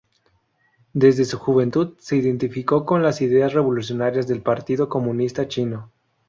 Desde su juventud, se identificó con las ideas revolucionarias del Partido Comunista Chino.